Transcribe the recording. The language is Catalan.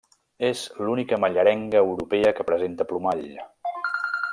És l'única mallerenga europea que presenta plomall.